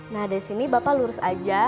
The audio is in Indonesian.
nah dari sini bapak lurus aja